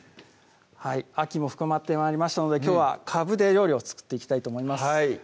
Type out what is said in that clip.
秋も深まって参りましたのできょうはかぶで料理を作っていきたいと思います